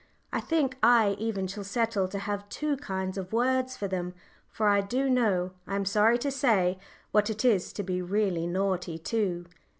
I think I even shall settle to have two kinds of words for them; for I do know, I am sorry to say, what it is to be really naughty too.